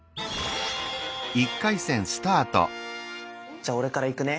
じゃあ俺からいくね。